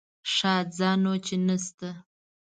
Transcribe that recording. ښه ځه نو چې نه شته.